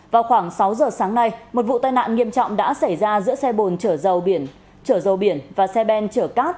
vào khoảng sáu giờ sáng nay một vụ tai nạn nghiêm trọng đã xảy ra giữa xe bồn chở dầu biển và xe ben chở cát